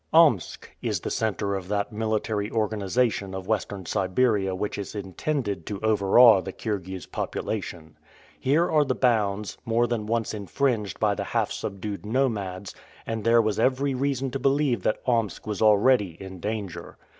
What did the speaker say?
Omsk is the center of that military organization of Western Siberia which is intended to overawe the Kirghiz population. Here are the bounds, more than once infringed by the half subdued nomads, and there was every reason to believe that Omsk was already in danger.